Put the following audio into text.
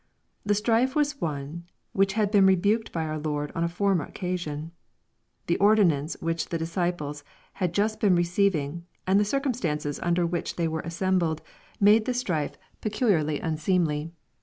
The strife was one which had been rebuked by our Lord on a former occasion. The ordinance which the dis ciples had just been receiving, and the circumstancef under which they were assembled, made tlie strife peciJ^ LUKE, CHAP. XXII. 403 liarly unseemly.